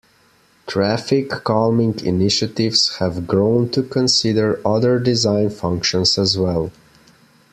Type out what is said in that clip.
Traffic calming initiatives have grown to consider other design functions as well.